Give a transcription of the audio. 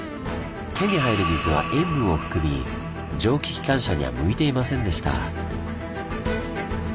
手に入る水は塩分を含み蒸気機関車には向いていませんでした。